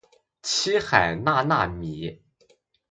七海娜娜米